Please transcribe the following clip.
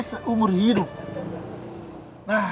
usahakan sekali seumur hidup hai nah aku ini punya kenalan yang bisa